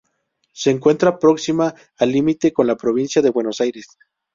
Se encuentra próxima al límite con la provincia de Buenos Aires.